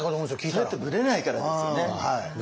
それってブレないからですよね。